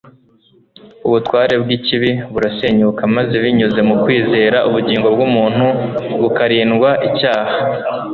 Ubutware bw’ikibi burasenyuka maze binyuze mu kwizera, ubugingo bw’umuntu bukarindwa icyaha.